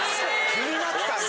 気になってたんだ。